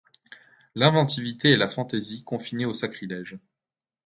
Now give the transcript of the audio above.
L'inventivité et la fantaisie confinaient au sacrilège.